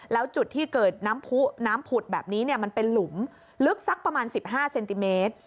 แล้วจุดที่เกิดน้ำผู้น้ำผุดแบบนี้มันเป็นหลุมลึกสักประมาณ๑๕เซนติเมตร